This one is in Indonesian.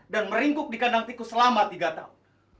dan meringkuk di kandang tikus selama tiga tahun